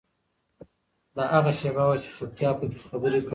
دا هغه شیبه وه چې چوپتیا پکې خبرې کولې.